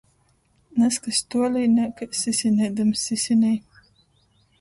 Nazkas tuolīnē kai sisineidams sisinej.